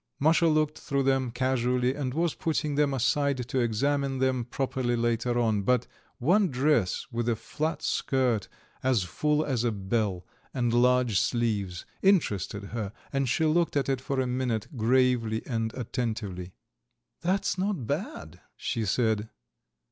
Masha looked through them casually, and was putting them aside to examine them properly later on; but one dress, with a flat skirt as full as a bell and large sleeves, interested her, and she looked at it for a minute gravely and attentively. "That's not bad," she said.